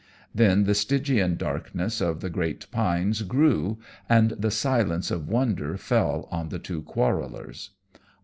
Then the Stygian darkness of the great pines grew; and the silence of wonder fell on the two quarrellers.